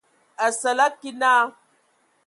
Asǝlǝg kig naa.